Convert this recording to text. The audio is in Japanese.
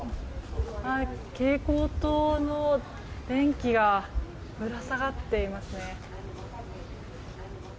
蛍光灯の電気がぶら下がっていますね。